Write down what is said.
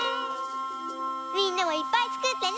みんなもいっぱいつくってね！